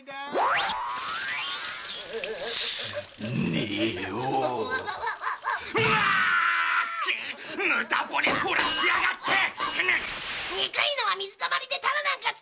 憎いのは水たまりでタラなんか釣ってたのび太だ！